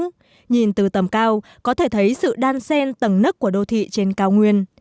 nhìn từ tầm cao có thể thấy sự đan xen tầng nức của đô thị trên cao nguyên